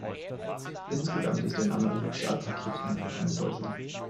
Insgesamt ist der Name "Sozialpaket” einfach eine Täuschung.